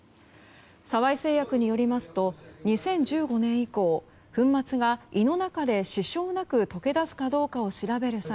沢井製薬によりますと２０１５年以降粉末が胃の中で支障なく溶け出すかどうかを調べる際